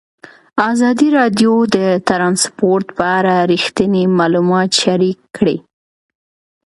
ازادي راډیو د ترانسپورټ په اړه رښتیني معلومات شریک کړي.